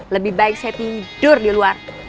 lebih baik saya tidur di luar